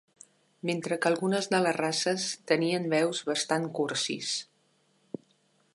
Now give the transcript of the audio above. Mentre que algunes de les races tenien veus bastant cursis.